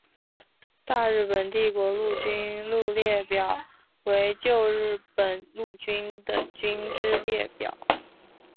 大日本帝国陆军军列表为旧日本陆军的军之列表。